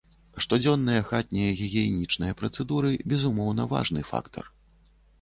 Штодзённыя хатнія гігіенічныя працэдуры, безумоўна, важны фактар.